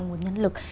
nguồn nhân lực